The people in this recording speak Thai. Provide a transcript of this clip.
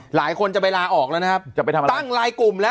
หลายคนจะไปลาออกแล้วนะครับจะไปทำอะไรตั้งหลายกลุ่มแล้ว